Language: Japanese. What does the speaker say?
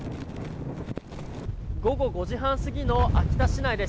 午後５時半過ぎの秋田市内です。